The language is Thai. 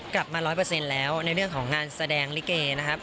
กลับมา๑๐๐แล้วในเรื่องของงานแสดงลิเกนะครับ